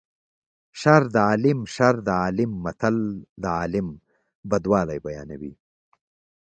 شر د عالیم شر د عالیم متل د عالم بدوالی بیانوي